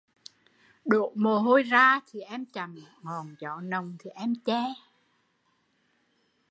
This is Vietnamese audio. Đổ mồ hôi ra thì em chặm, ngọn gió nồng thì em che